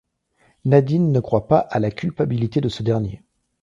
Nadine ne croit pas à la culpabilité de ce dernier.